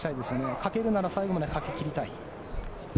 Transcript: かけるなら最後までかけ切りたい。